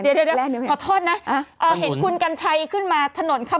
เดี๋ยวขอโทษนะเห็นคุณกัญชัยขึ้นมาถนนค่ะ